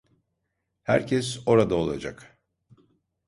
Herkes orada olacak.